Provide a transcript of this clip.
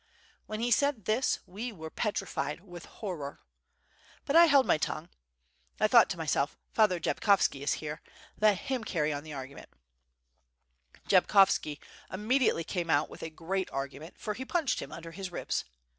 When he said this we were petrified with horror. But I held my tongue. I thought to myself, Father Jabkovski is here, let him carry on ^44 WITH FIRE AND SWORD, the argument. Jabkovski immediately came out with a great argument, for he punched him under his ribs.